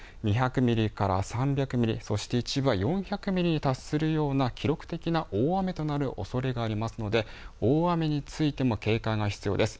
２００ミリから３００ミリそして一部は４００ミリに達するような記録的な大雨となるおそれがありますので大雨についても警戒が必要です。